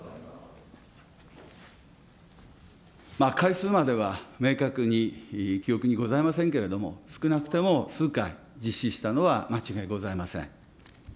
回数までは明確に記憶にございませんけれども、少なくても数回、実施したのは間違いございません。